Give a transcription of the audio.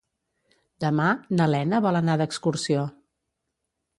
Demà na Lena vol anar d'excursió.